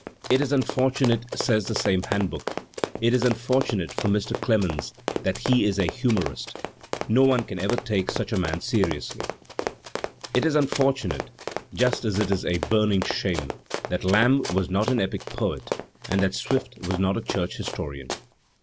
"It is unfortunate" — says the same handbook — "it is unfortunate for Mr. Clemens that he is a humorist; no one can ever take such a man seri ously." It is unfortunate; just as it is a burning shame that Lamb was not an epic poet and that Swift was not a church historian.